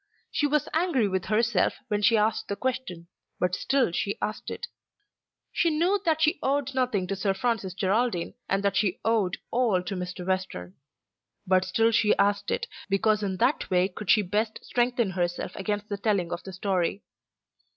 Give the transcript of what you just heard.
She was angry with herself when she asked the question, but still she asked it. She knew that she owed nothing to Sir Francis Geraldine, and that she owed all to Mr. Western. But still she asked it, because in that way could she best strengthen herself against the telling of the story.